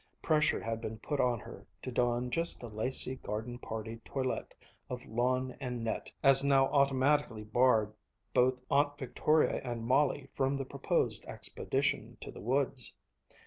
Pressure had been put on her to don just a lacy, garden party toilette of lawn and net as now automatically barred both Aunt Victoria and Molly from the proposed expedition to the woods.